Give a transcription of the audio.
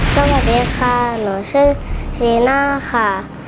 สวัสดีค่ะหนูชื่อเทน่าค่ะ